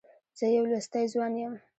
زه يو لوستی ځوان یم.